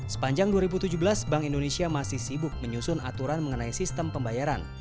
sepanjang dua ribu tujuh belas bank indonesia masih sibuk menyusun aturan mengenai sistem pembayaran